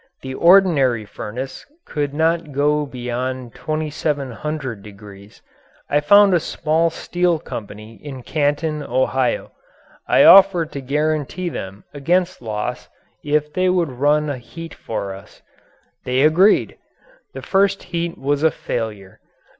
The ordinary furnace could not go beyond 2,700 degrees. I found a small steel company in Canton, Ohio. I offered to guarantee them against loss if they would run a heat for us. They agreed. The first heat was a failure.